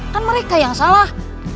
kan mereka yang salah